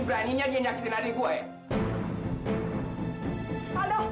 beraninya dia nyakitin adik gue ya